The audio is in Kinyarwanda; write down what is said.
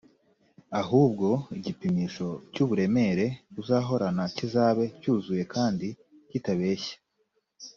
ahubwo igipimisho cy’uburemere uzahorana kizabe cyuzuye kandi kitabeshya,